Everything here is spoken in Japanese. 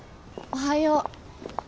おはよう。